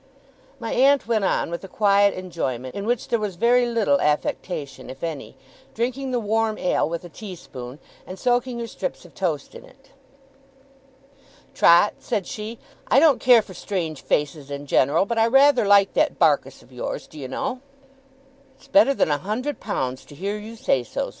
My aunt went on with a quiet enjoyment, in which there was very little affectation, if any; drinking the warm ale with a tea spoon, and soaking her strips of toast in it. 'Trot,' said she, 'I don't care for strange faces in general, but I rather like that Barkis of yours, do you know!' 'It's better than a hundred pounds to hear you say so!